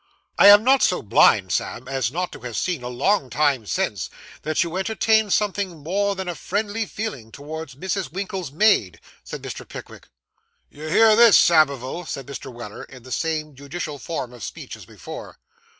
'I am not so blind, Sam, as not to have seen, a long time since, that you entertain something more than a friendly feeling towards Mrs. Winkle's maid,' said Mr. Pickwick. 'You hear this, Samivel?' said Mr. Weller, in the same judicial form of speech as before.